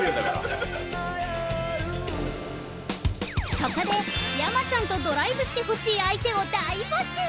ここで、山ちゃんとドライブしてほしい相手を大募集。